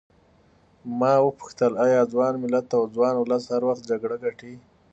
ما وپوښتل ایا ځوان ملت او ځوان ولس هر وخت جګړه ګټي.